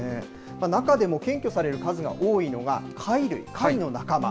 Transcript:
中でも検挙される数が多いのが貝類、貝の仲間。